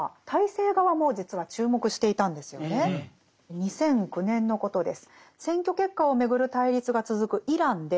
２００９年のことです。